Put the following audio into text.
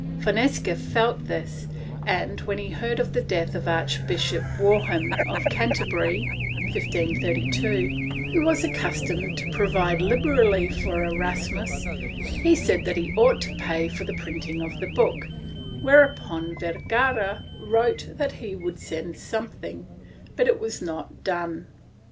Fonseca felt this, and, when he heard of the death of Archbishop Warham of Canterbury (f 1532), who was accus tomed to provide liberally for Erasmus, he said that he ought to pay for the printing of the book, whereupon Vergara wrote that he would send something, but it was not done.